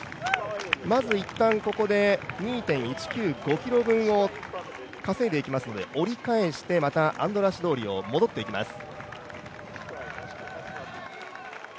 まず一旦ここで２．１９５ｋｍ分を稼いでいきましたので折り返してまたアンドラーシ通りを戻っていきます。